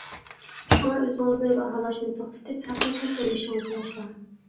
شۇڭا، ئۆزىڭىزنى باھالاشنى توختىتىپ، ھەقىقىي تۇرمۇشىڭىزنى باشلاڭ!